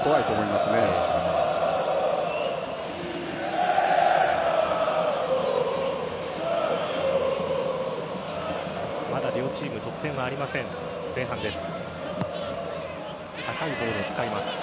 まだ両チーム得点はありません前半です。